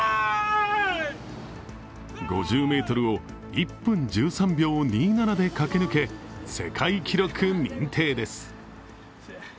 ５０ｍを１分１３秒２７で駆け抜け、世界記録認定です。